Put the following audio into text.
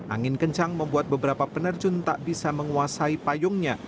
angin kencang membuat beberapa penerjun tak bisa menguasai payungnya